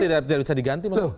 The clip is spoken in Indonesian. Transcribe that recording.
bagaimana tidak bisa diganti pak